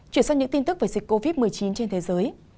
chuyển sang những tin tức về dịch covid một mươi chín trên thế giới